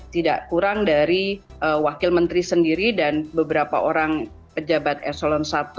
tidak kurang dari wakil menteri sendiri dan beberapa orang pejabat eselon i